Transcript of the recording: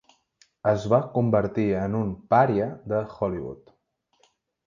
Es va convertir en un pària de Hollywood.